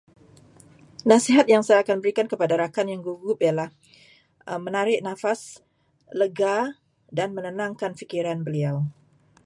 Nasihat yang saya akan berikan kepada rakan yang gugup ialah menarik nafas lega dan menenangkan fikiran beliau.